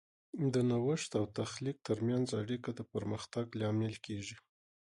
د نوښت او تخلیق ترمنځ اړیکه د پرمختګ لامل کیږي.